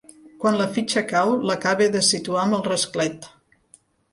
Quan la fitxa cau l'acaba de situar amb el rasclet.